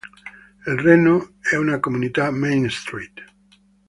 El Reno è una comunità Main Street.